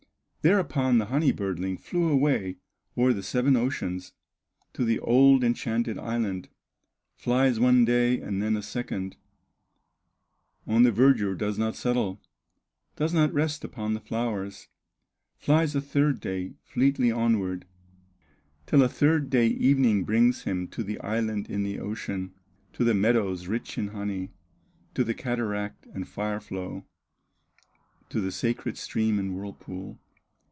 Thereupon the honey birdling Flies away o'er seven oceans, To the old enchanted island; Flies one day, and then a second, On the verdure does not settle, Does not rest upon the flowers; Flies a third day, fleetly onward, Till a third day evening brings him To the island in the ocean, To the meadows rich in honey, To the cataract and fire flow, To the sacred stream and whirlpool.